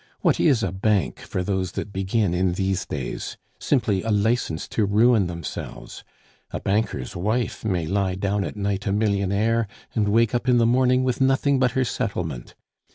What is a bank for those that begin in these days? Simply a license to ruin themselves. A banker's wife may lie down at night a millionaire and wake up in the morning with nothing but her settlement.